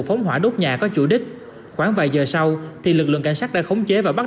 phóng hỏa đốt nhà có chủ đích khoảng vài giờ sau thì lực lượng cảnh sát đã khống chế và bắt